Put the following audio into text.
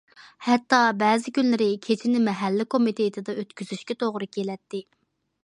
ھەتتا بەزى كۈنلىرى كېچىنى مەھەللە كومىتېتىدا ئۆتكۈزۈشكە توغرا كېلەتتى.